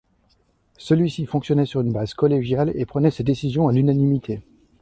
Celui-ci fonctionnait sur une base collégiale et prenait ses décisions a l'unanimité.